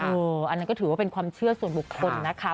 อันนั้นก็ถือว่าเป็นความเชื่อส่วนบุคคลนะคะ